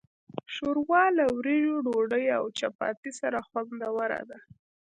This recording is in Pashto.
ښوروا له وریژو، ډوډۍ، او چپاتي سره خوندوره ده.